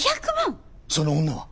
その女は？